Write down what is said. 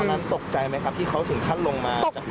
นั้นตกใจไหมครับที่เขาถึงขั้นลงมาจาก